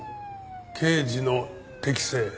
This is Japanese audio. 刑事の適性？